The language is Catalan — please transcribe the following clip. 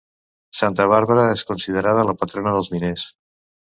Santa Bàrbara és considerada la patrona dels miners.